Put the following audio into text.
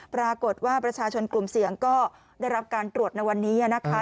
ปรากฏว่าประชาชนกลุ่มเสี่ยงก็ได้รับการตรวจในวันนี้นะคะ